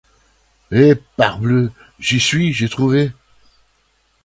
Eh parbleu! j’y suis, j’ai trouvé !